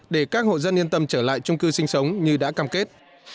để các hộ dân yên tâm trở lại trung cư sinh sống như đã cam kết